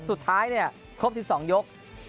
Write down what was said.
สุดท้ายเนี่ยครบ๑๒ยก